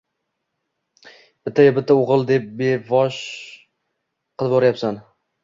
Bittayu bitta o‘g‘il deb bevosh qilvoryapsan